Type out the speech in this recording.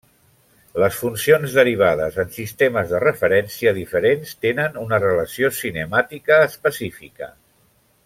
Les funcions derivades en sistemes de referència diferents tenen una relació cinemàtica específica.